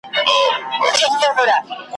یا مي مړ له دې غوجل څخه بهر کړې `